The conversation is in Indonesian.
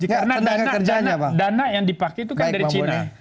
karena dana yang dipakai itu kan dari cina